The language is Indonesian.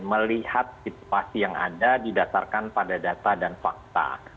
melihat situasi yang ada didasarkan pada data dan fakta